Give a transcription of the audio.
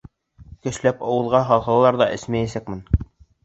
Көсләп ауыҙға һалһалар ҙа, эсмәйәсәкмен.